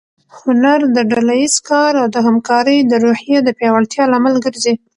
هنر د ډله ییز کار او د همکارۍ د روحیې د پیاوړتیا لامل ګرځي.